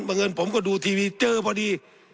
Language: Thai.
เงินผมก็ดูทีวีเจอพอดี